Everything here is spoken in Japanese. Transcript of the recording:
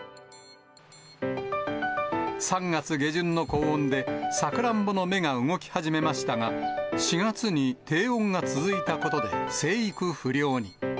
３月下旬の高温で、さくらんぼの芽が動き始めましたが、４月に低温が続いたことで、生育不良に。